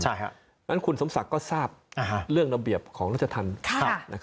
เพราะฉะนั้นคุณสมศักดิ์ก็ทราบเรื่องระเบียบของราชธรรม